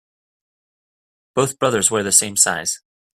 Both brothers wear the same size.